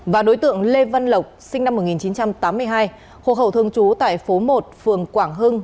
và đối tượng lê văn lộc sinh năm một nghìn chín trăm tám mươi hai hộ khẩu thương chú tại phố một phường quảng hưng